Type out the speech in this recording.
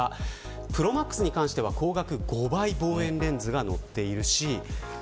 ＰｒｏＭａｘに関しては光学５倍望遠レンズがのっています。